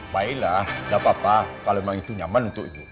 pakailah gapapa kalau emang itu nyaman untuk ibu